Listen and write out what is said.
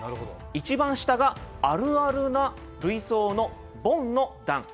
一番下があるあるな類想のボンの段。